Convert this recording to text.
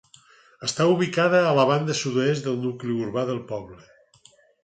Està ubicada a la banda sud-oest del nucli urbà del poble.